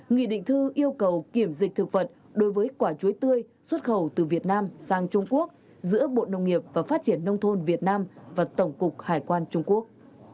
nghị định thư yêu cầu kiểm dịch thực vật đối với quả chuối tươi xuất khẩu từ việt nam sang trung quốc giữa bộ nông nghiệp và phát triển nông thôn việt nam và tổng cục hải quan trung quốc